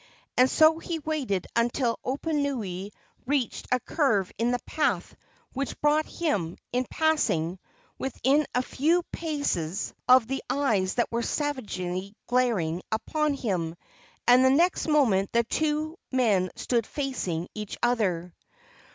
And so he waited until Oponui reached a curve in the path which brought him, in passing, within a few paces of the eyes that were savagely glaring upon him, and the next moment the two men stood facing each other.